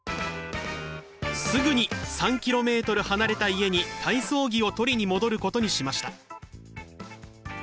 すぐに３ｋｍ離れた家に体操着を取りに戻ることにしました。